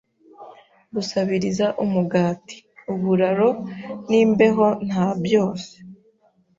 gusabiriza umugati, uburaro n'imbeho nta byose